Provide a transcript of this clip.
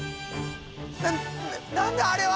な何だあれは！？